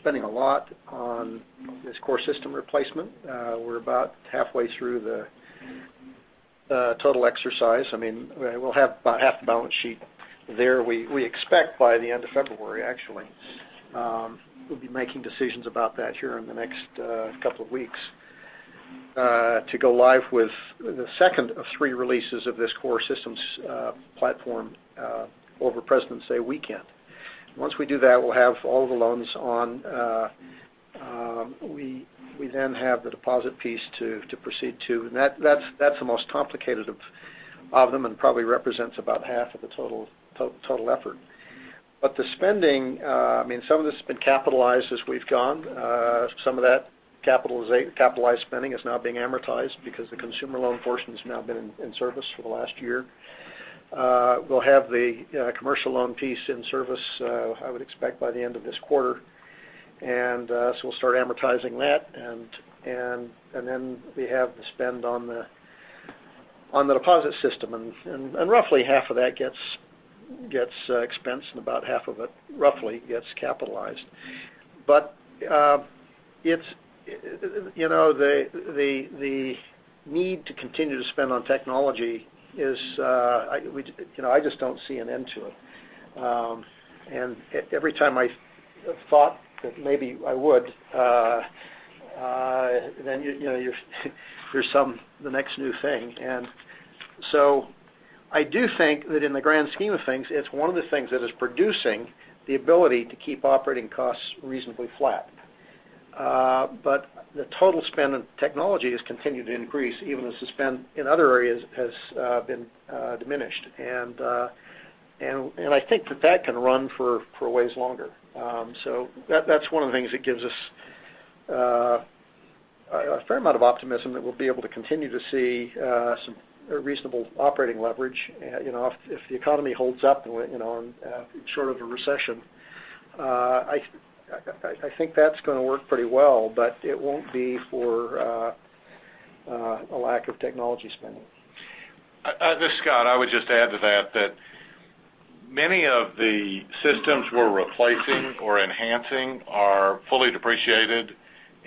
C: spending a lot on this core system replacement. We're about halfway through the total exercise. We'll have about half the balance sheet there, we expect by the end of February, actually. We'll be making decisions about that here in the next couple of weeks to go live with the second of three releases of this core systems platform over Presidents' Day weekend. Once we do that, we'll have all the loans on. We then have the deposit piece to proceed, too, and that's the most complicated of them and probably represents about half of the total effort. The spending, some of this has been capitalized as we've gone. Some of that capitalized spending is now being amortized because the consumer loan portion has now been in service for the last year. We'll have the commercial loan piece in service, I would expect, by the end of this quarter. We'll start amortizing that, then we have the spend on the deposit system, roughly half of that gets expensed and about half of it, roughly, gets capitalized. The need to continue to spend on technology is I just don't see an end to it. Every time I thought that maybe I would, then there's the next new thing. I do think that in the grand scheme of things, it's one of the things that is producing the ability to keep operating costs reasonably flat. The total spend on technology has continued to increase, even as the spend in other areas has been diminished. I think that that can run for a ways longer. That is one of the things that gives us a fair amount of optimism that we will be able to continue to see some reasonable operating leverage. If the economy holds up and short of a recession, I think that is going to work pretty well, but it will not be for a lack of technology spending.
F: This is Scott. I would just add to that many of the systems we are replacing or enhancing are fully depreciated,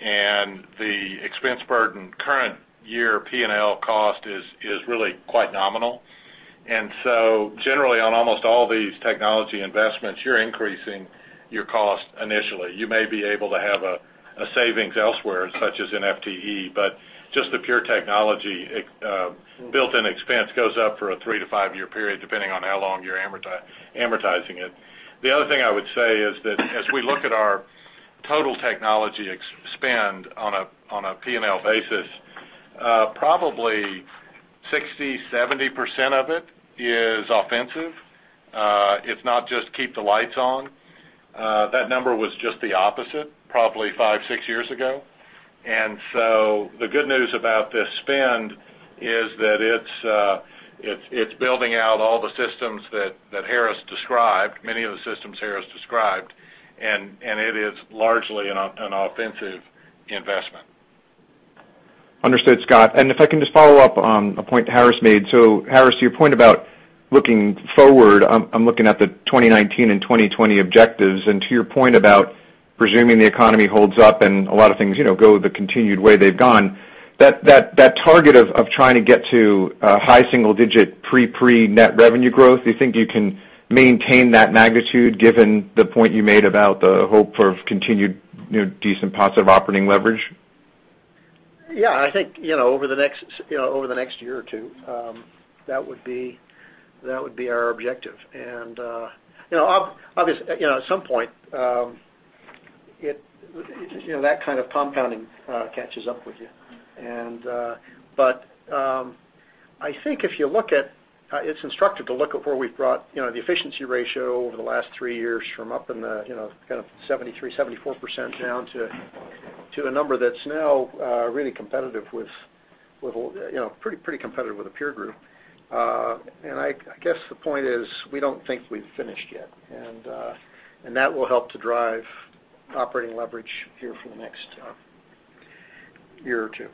F: and the expense burden current year P&L cost is really quite nominal. Generally, on almost all these technology investments, you are increasing your cost initially. You may be able to have a savings elsewhere, such as in FTE, but just the pure technology built-in expense goes up for a three to five-year period, depending on how long you are amortizing it. The other thing I would say is that as we look at our total technology spend on a P&L basis, probably 60%-70% of it is offensive. It is not just keep the lights on. That number was just the opposite, probably five, six years ago. The good news about this spend is that it is building out all the systems that Harris described, many of the systems Harris described, and it is largely an offensive investment.
I: Understood, Scott. If I can just follow up on a point Harris made. Harris, your point about looking forward, I am looking at the 2019 and 2020 objectives, and to your point about presuming the economy holds up and a lot of things go the continued way they have gone, that target of trying to get to a high single digit pre-provision net revenue growth, do you think you can maintain that magnitude given the point you made about the hope for continued decent positive operating leverage?
C: I think over the next year or two, that would be our objective. Obviously, at some point, that kind of compounding catches up with you. I think it's instructive to look at where we've brought the efficiency ratio over the last three years from up in the 73%, 74% down to a number that's now really competitive, pretty competitive with the peer group. I guess the point is we don't think we've finished yet, and that will help to drive operating leverage here for the next year or two.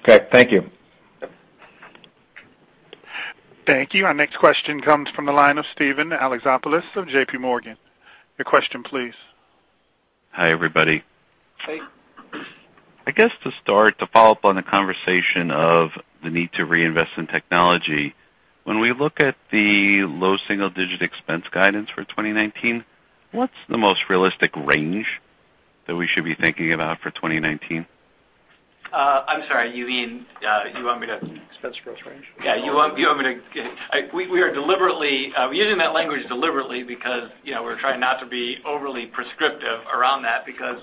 I: Okay. Thank you.
A: Thank you. Our next question comes from the line of Steven Alexopoulos of J.P. Morgan. Your question, please.
J: Hi, everybody.
C: Hey.
J: I guess to start, to follow up on the conversation of the need to reinvest in technology, when we look at the low single digit expense guidance for 2019, what's the most realistic range that we should be thinking about for 2019?
D: I'm sorry, you mean you want me to?
C: Expense growth range.
D: Yeah. We are using that language deliberately because we're trying not to be overly prescriptive around that because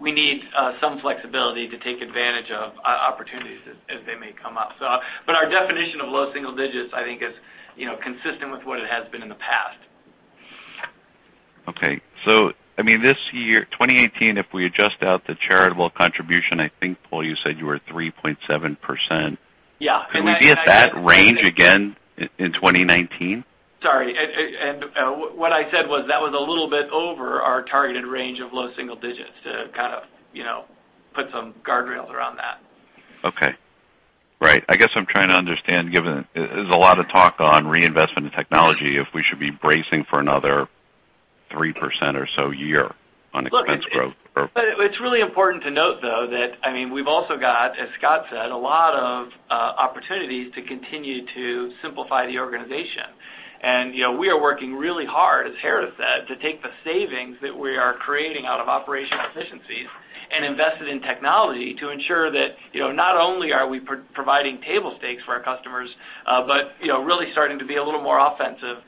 D: we need some flexibility to take advantage of opportunities as they may come up. Our definition of low single digits, I think, is consistent with what it has been in the past.
J: Okay. This year, 2018, if we adjust out the charitable contribution, I think, Paul, you said you were 3.7%.
D: Yeah.
J: Could we be at that range again in 2019?
D: Sorry. What I said was that was a little bit over our targeted range of low single digits to kind of put some guardrails around that.
J: Okay. Right. I guess I'm trying to understand, given there's a lot of talk on reinvestment in technology, if we should be bracing for another 3% or so year on expense growth or.
D: It's really important to note, though, that we've also got, as Scott said, a lot of opportunities to continue to simplify the organization. We are working really hard, as Harris said, to take the savings that we are creating out of operational efficiencies and invest it in technology to ensure that, not only are we providing table stakes for our customers, but really starting to be a little more offensive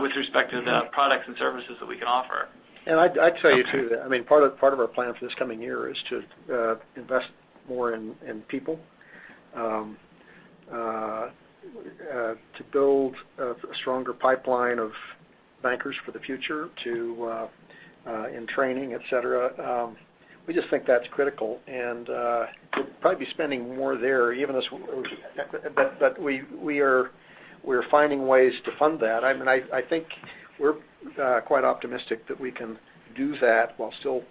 D: with respect to the products and services that we can offer.
C: I'd tell you, too, that part of our plan for this coming year is to invest more in people to build a stronger pipeline of bankers for the future in training, et cetera. We just think that's critical, and we'll probably be spending more there even as we're finding ways to fund that. I think we're quite optimistic that we can do that while still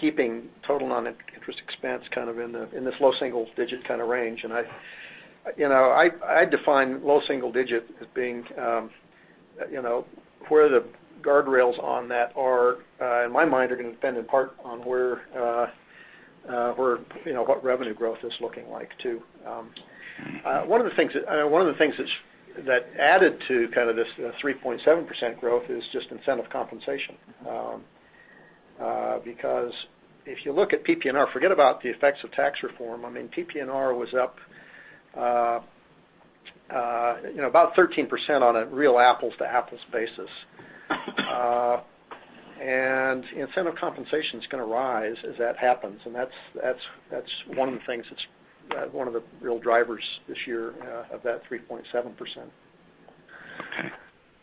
C: keeping total non-interest expense kind of in this low single digit kind of range. I define low single digit as being where the guardrails on that are, in my mind, are going to depend in part on what revenue growth is looking like, too. One of the things that added to this 3.7% growth is just incentive compensation. Because if you look at PPNR, forget about the effects of tax reform. PPNR was up about 13% on a real apples to apples basis. Incentive compensation's going to rise as that happens, and that's one of the real drivers this year of that 3.7%.
J: Okay.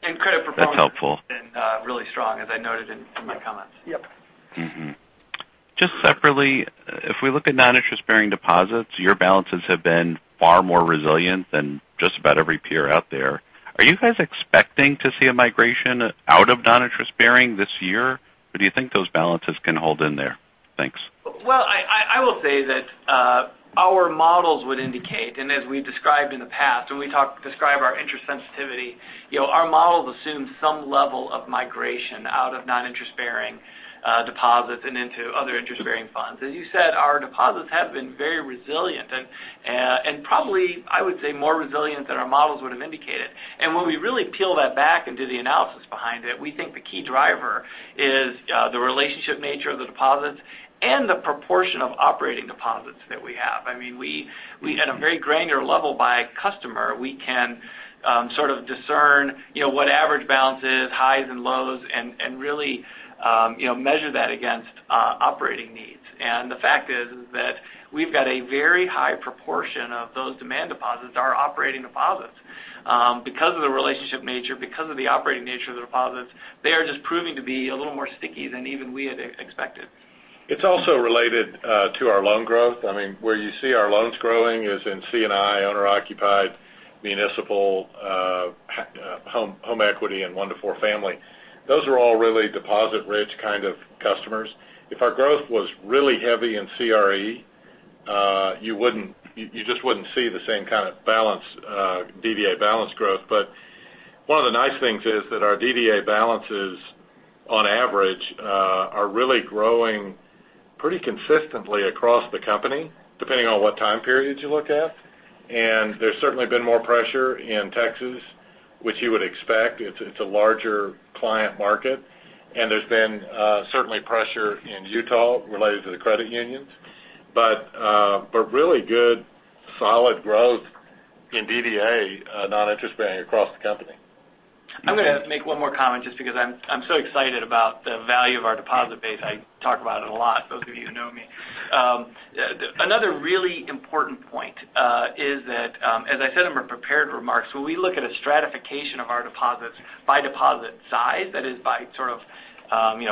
D: Credit performance.
J: That's helpful
D: has been really strong, as I noted in my comments.
C: Yep.
J: Just separately, if we look at non-interest bearing deposits, your balances have been far more resilient than just about every peer out there. Are you guys expecting to see a migration out of non-interest bearing this year, or do you think those balances can hold in there? Thanks.
D: Well, I will say that our models would indicate, and as we described in the past when we describe our interest sensitivity, our models assume some level of migration out of non-interest bearing deposits and into other interest-bearing funds. As you said, our deposits have been very resilient, and probably, I would say more resilient than our models would have indicated. When we really peel that back and do the analysis behind it, we think the key driver is the relationship nature of the deposits and the proportion of operating deposits that we have. At a very granular level by customer, we can sort of discern what average balance is, highs and lows, and really measure that against operating needs. The fact is that we've got a very high proportion of those demand deposits are operating deposits. Because of the relationship nature, because of the operating nature of the deposits, they are just proving to be a little more sticky than even we had expected.
F: It's also related to our loan growth. Where you see our loans growing is in C&I, owner-occupied, municipal, home equity, and one to four family. Those are all really deposit-rich kind of customers. If our growth was really heavy in CRE, you just wouldn't see the same kind of DDA balance growth. One of the nice things is that our DDA balances, on average, are really growing pretty consistently across the company, depending on what time periods you look at. There's certainly been more pressure in Texas, which you would expect. It's a larger client market. There's been certainly pressure in Utah related to the credit unions. Really good solid growth in DDA non-interest bearing across the company.
D: I'm going to make one more comment just because I'm so excited about the value of our deposit base. I talk about it a lot, those of you who know me. Another really important point is that, as I said in my prepared remarks, when we look at a stratification of our deposits by deposit size, that is by sort of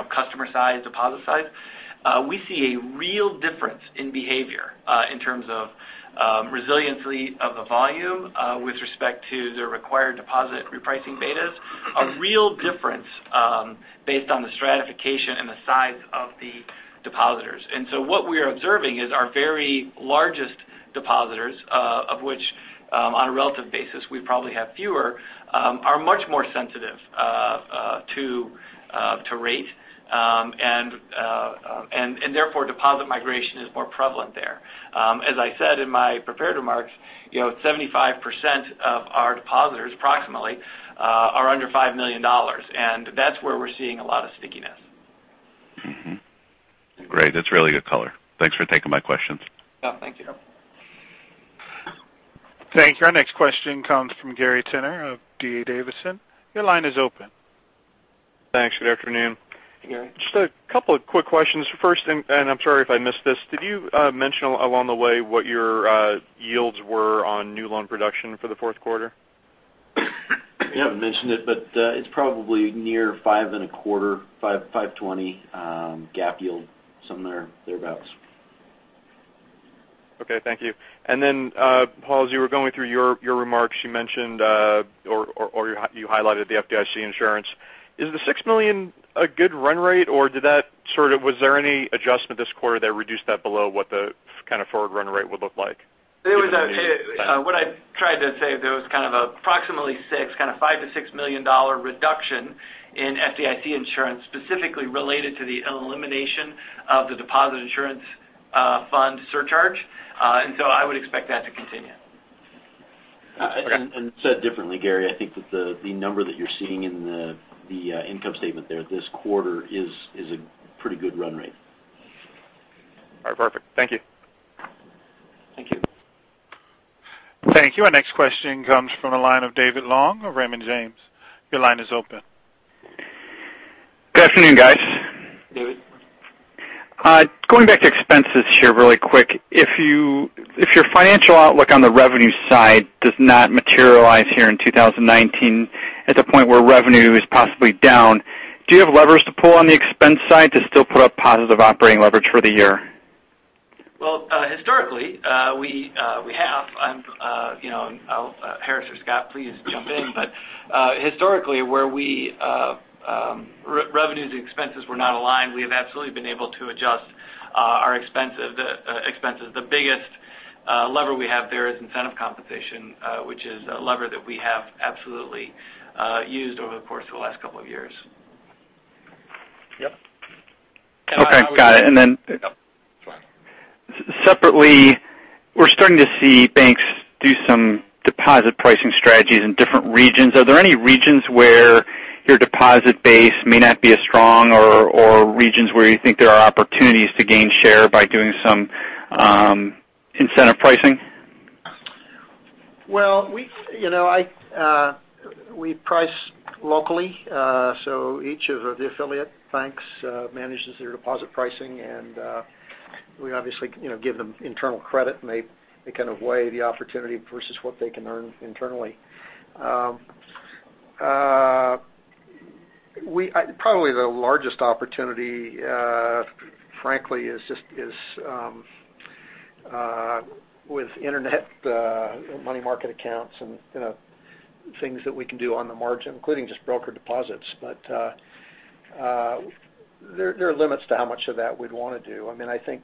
D: customer size, deposit size, we see a real difference in behavior in terms of resiliency of the volume with respect to the required deposit repricing betas, a real difference based on the stratification and the size of the depositors. What we are observing is our very largest depositors, of which on a relative basis we probably have fewer, are much more sensitive to rate, and therefore deposit migration is more prevalent there. As I said in my prepared remarks, 75% of our depositors, approximately, are under $5 million. That's where we're seeing a lot of stickiness.
J: Mm-hmm. Great. That's really good color. Thanks for taking my questions.
D: Yeah. Thank you.
A: Thank you. Our next question comes from Gary Tenner of D.A. Davidson. Your line is open.
K: Thanks. Good afternoon.
B: Hey, Gary?
K: Just a couple of quick questions. First, and I'm sorry if I missed this, did you mention along the way what your yields were on new loan production for the fourth quarter?
D: We haven't mentioned it, but it's probably near 5.25, 5.20 GAAP yield, somewhere thereabouts.
K: Paul, as you were going through your remarks, you mentioned or you highlighted the FDIC insurance. Is the $6 million a good run rate, or was there any adjustment this quarter that reduced that below what the kind of forward run rate would look like?
D: What I tried to say, there was approximately six, $5 million-$6 million reduction in FDIC insurance, specifically related to the elimination of the Deposit Insurance Fund surcharge. I would expect that to continue.
B: Said differently, Gary, I think that the number that you're seeing in the income statement there this quarter is a pretty good run rate.
K: All right, perfect. Thank you.
B: Thank you.
A: Thank you. Our next question comes from the line of David Long of Raymond James. Your line is open.
L: Good afternoon, guys.
C: David.
L: Going back to expenses here really quick. If your financial outlook on the revenue side does not materialize here in 2019 at the point where revenue is possibly down, do you have levers to pull on the expense side to still put up positive operating leverage for the year?
D: Well, historically, we have. Harris or Scott, please jump in. Historically, where revenues expenses were not aligned, we have absolutely been able to adjust our expenses. The biggest lever we have there is incentive compensation, which is a lever that we have absolutely used over the course of the last couple of years.
C: Yep.
L: Okay, got it. Separately, we're starting to see banks do some deposit pricing strategies in different regions. Are there any regions where your deposit base may not be as strong or regions where you think there are opportunities to gain share by doing some incentive pricing?
C: Well, we price locally. Each of the affiliate banks manages their deposit pricing. We obviously give them internal credit, and they kind of weigh the opportunity versus what they can earn internally. Probably the largest opportunity, frankly, is with internet money market accounts and things that we can do on the margin, including just broker deposits. There are limits to how much of that we'd want to do. I think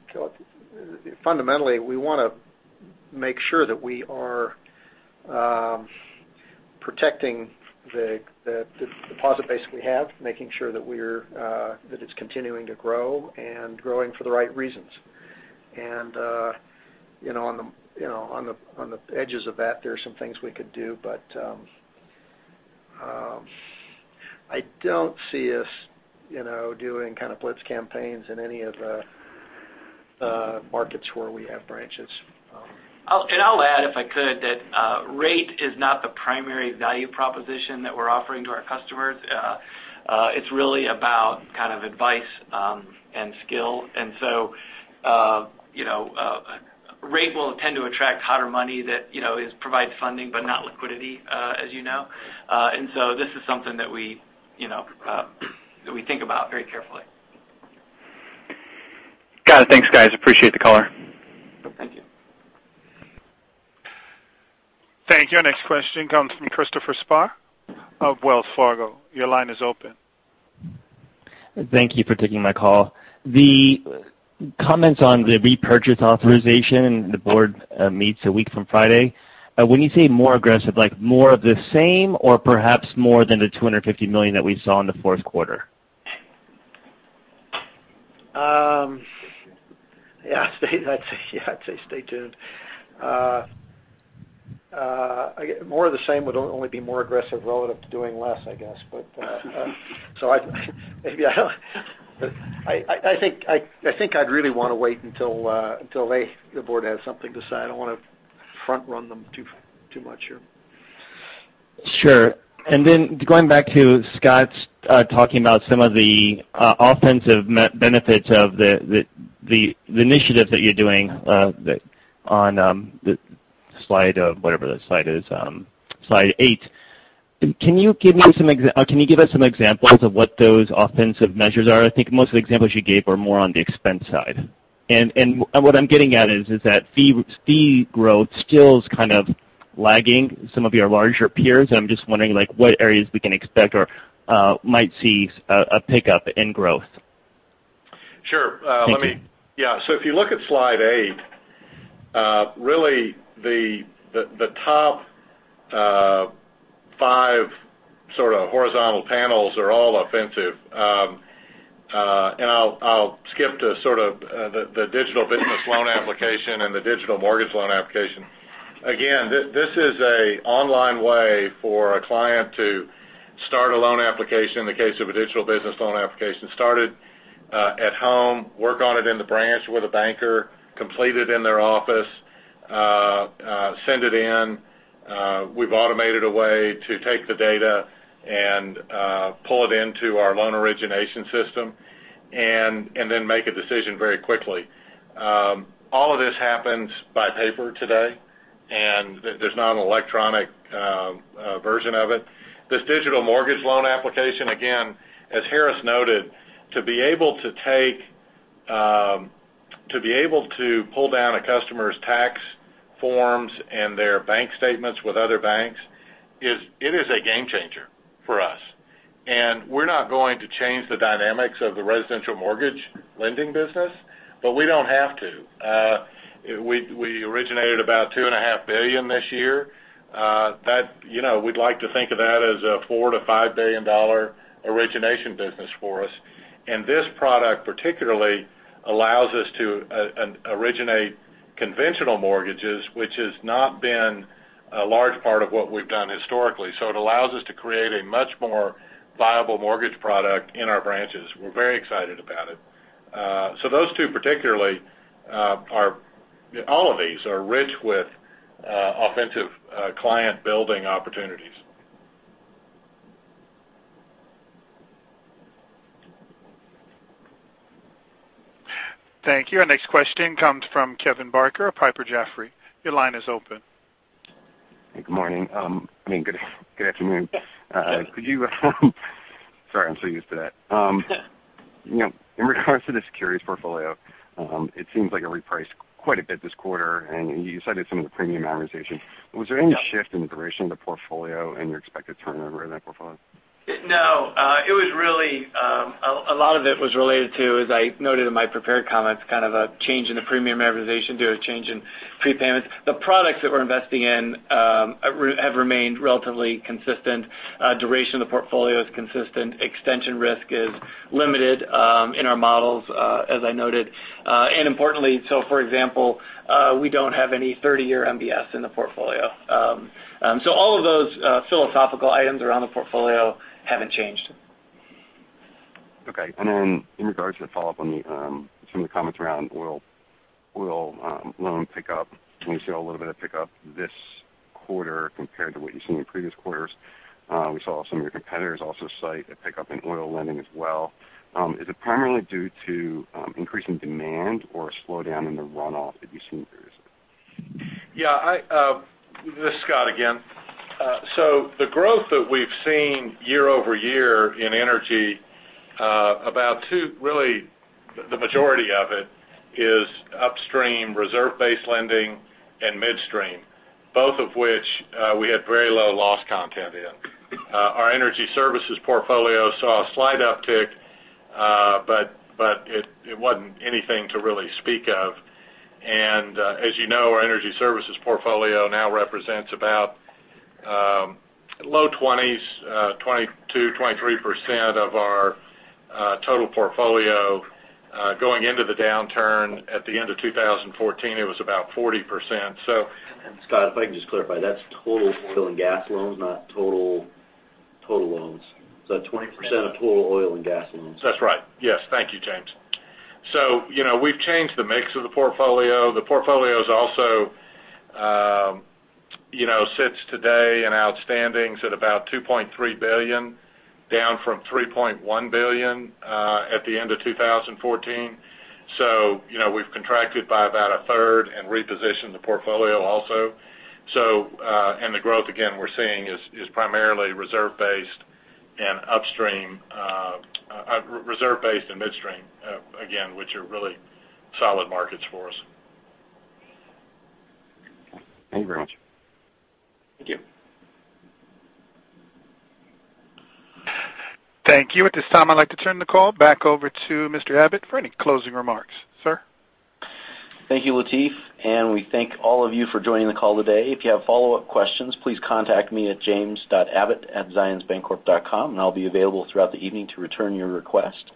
C: fundamentally, we want to make sure that we are protecting the deposit base we have, making sure that it's continuing to grow and growing for the right reasons. On the edges of that, there are some things we could do, but I don't see us doing kind of blitz campaigns in any of the markets where we have branches.
D: I'll add, if I could, that rate is not the primary value proposition that we're offering to our customers. It's really about kind of advice and skill. Rate will tend to attract hotter money that provides funding, but not liquidity, as you know. This is something that we think about very carefully.
L: Got it. Thanks, guys. Appreciate the call.
D: Thank you.
A: Thank you. Our next question comes from Christopher Spahr of Wells Fargo. Your line is open.
M: Thank you for taking my call. The comments on the repurchase authorization, the board meets a week from Friday. When you say more aggressive, like more of the same or perhaps more than the $250 million that we saw in the fourth quarter?
C: Yeah I'd say stay tuned. More of the same would only be more aggressive relative to doing less, I guess. I think I'd really want to wait until the board has something to say. I don't want to front run them too much here.
M: Then going back to Scott talking about some of the offensive benefits of the initiative that you're doing on slide eight. Can you give us some examples of what those offensive measures are? I think most of the examples you gave are more on the expense side. What I'm getting at is that fee growth still is kind of lagging some of your larger peers, and I'm just wondering what areas we can expect or might see a pickup in growth.
F: Sure.
M: Thank you.
F: Yeah. If you look at slide eight, really the top five sort of horizontal panels are all offensive. I'll skip to sort of the digital business loan application and the digital mortgage loan application. Again, this is an online way for a client to start a loan application. In the case of a digital business loan application, start it at home, work on it in the branch with a banker, complete it in their office. Send it in. We've automated a way to take the data and pull it into our loan origination system, and then make a decision very quickly. All of this happens by paper today, and there's not an electronic version of it. This digital mortgage loan application, again, as Harris noted, to be able to pull down a customer's tax forms and their bank statements with other banks, it is a game changer for us. We're not going to change the dynamics of the residential mortgage lending business, we don't have to. We originated about $2.5 billion this year. We'd like to think of that as a $4 billion-$5 billion origination business for us. This product particularly allows us to originate conventional mortgages, which has not been a large part of what we've done historically. It allows us to create a much more viable mortgage product in our branches. We're very excited about it. Those two particularly are, all of these, are rich with authentic client-building opportunities.
A: Thank you. Our next question comes from Kevin Barker of Piper Jaffray. Your line is open.
N: Good morning. I mean good afternoon. Sorry, I'm so used to that. In regards to the securities portfolio, it seems like it repriced quite a bit this quarter, and you cited some of the premium amortization. Was there any shift in duration of the portfolio and your expected turnover in that portfolio?
D: No. A lot of it was related to, as I noted in my prepared comments, kind of a change in the premium amortization due to a change in prepayments. The products that we're investing in have remained relatively consistent. Duration of the portfolio is consistent. Extension risk is limited in our models, as I noted. Importantly, for example, we don't have any 30-year MBS in the portfolio. All of those philosophical items around the portfolio haven't changed.
N: Okay. Then in regards to the follow-up on some of the comments around oil loan pickup, we saw a little bit of pickup this quarter compared to what you've seen in previous quarters. We saw some of your competitors also cite a pickup in oil lending as well. Is it primarily due to increasing demand or a slowdown in the runoff that you've seen previously?
F: This is Scott again. The growth that we've seen year-over-year in energy, really the majority of it is upstream reserve-based lending and midstream. Both of which we had very low loss content in. Our energy services portfolio saw a slight uptick, but it wasn't anything to really speak of. As you know, our energy services portfolio now represents about low 20s, 22%, 23% of our total portfolio. Going into the downturn at the end of 2014, it was about 40%.
B: Scott, if I can just clarify, that's total oil and gas loans, not total loans. Is that 20% of total oil and gas loans?
F: That's right. Yes. Thank you, James. We've changed the mix of the portfolio. The portfolio also sits today in outstandings at about $2.3 billion, down from $3.1 billion at the end of 2014. We've contracted by about a third and repositioned the portfolio also. The growth, again, we're seeing is primarily reserve-based and midstream, again, which are really solid markets for us.
N: Okay. Thank you very much.
D: Thank you.
A: Thank you. At this time, I'd like to turn the call back over to Mr. Abbott for any closing remarks. Sir?
B: Thank you, Lateef, and we thank all of you for joining the call today. If you have follow-up questions, please contact me at james.abbott@zionsbancorporation.com, and I'll be available throughout the evening to return your request.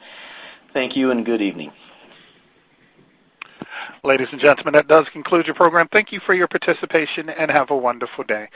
B: Thank you and good evening.
A: Ladies and gentlemen, that does conclude your program. Thank you for your participation, and have a wonderful day.